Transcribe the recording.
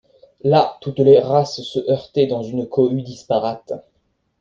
Là, toutes les races se heurtaient dans une cohue disparate!